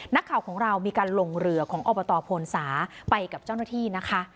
นักข่าวของเรามีการลงเรือของอบตโพนศาไปกับเจ้าหน้าที่นะคะ